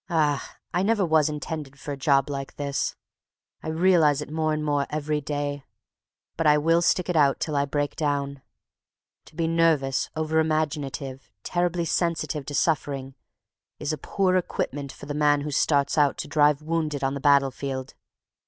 Ah! I never was intended for a job like this. I realize it more and more every day, but I will stick it out till I break down. To be nervous, over imaginative, terribly sensitive to suffering, is a poor equipment for the man who starts out to drive wounded on the battlefield.